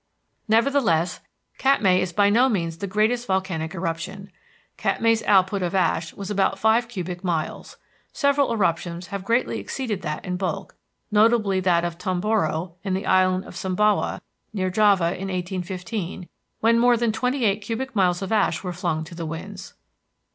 Nevertheless, Katmai's is by no means the greatest volcanic eruption. Katmai's output of ash was about five cubic miles. Several eruptions have greatly exceeded that in bulk, notably that of Tomboro, in the island of Sumbawa, near Java, in 1815, when more than twenty eight cubic miles of ash were flung to the winds.